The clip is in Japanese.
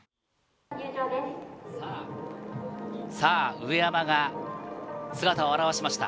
上山が姿を現しました。